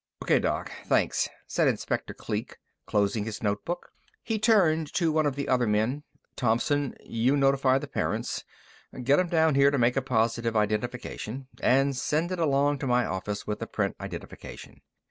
"O.K., Doc. Thanks," said Inspector Kleek, closing his notebook. He turned to one of the other men. "Thompson, you notify the parents. Get 'em down here to make a positive identification, and send it along to my office with the print identification."